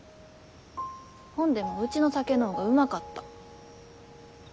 ほんでもうちの酒の方がうまかった。